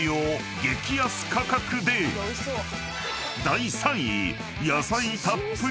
［第３位］